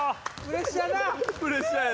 プレッシャーだ！